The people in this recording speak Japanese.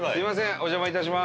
お邪魔いたします。